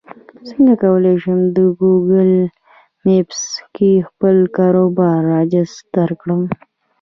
څنګه کولی شم د ګوګل مېپس کې خپل کاروبار راجستر کړم